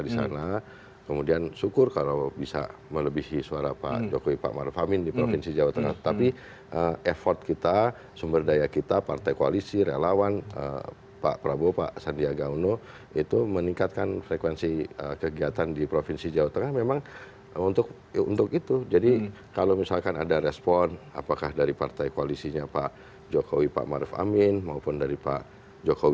sebelumnya prabowo subianto